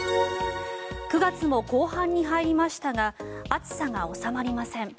９月も後半に入りましたが暑さが収まりません。